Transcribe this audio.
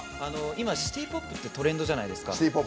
今シティ・ポップってトレンドじゃないですか。